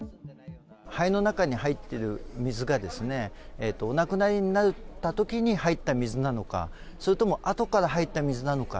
肺の中に入っている水が、お亡くなりになったときに入った水なのか、それともあとから入った水なのか。